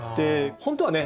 本当はね